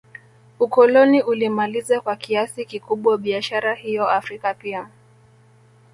Ukoloni ulimaliza kwa kiasi kikubwa biashara hiyo Afrika pia